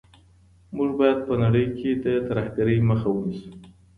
موږ باید په نړۍ کي د ترهګرۍ مخه ونیسو.